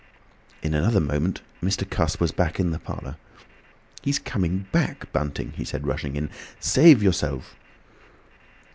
In another moment Mr. Cuss was back in the parlour. "He's coming back, Bunting!" he said, rushing in. "Save yourself!"